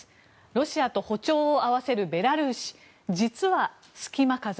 ロシアと歩調を合わせるベラルーシ実は隙間風？